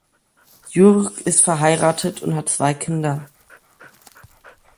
Jurk ist verheiratet und hat zwei Kinder.